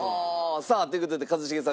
さあという事で一茂さん